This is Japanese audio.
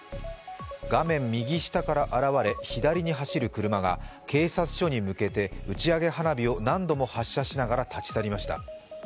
画面右下から現れ左に走る車が警察署に向けて打ち上げ花火を何度も発射しながら立ち去りました。